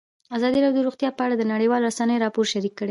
ازادي راډیو د روغتیا په اړه د نړیوالو رسنیو راپورونه شریک کړي.